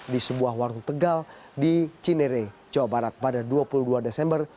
di sebuah warung tegal di cinere jawa barat pada dua puluh dua desember